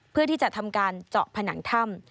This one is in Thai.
เพื่อที่จะทำการเจาะผนังถ้ำ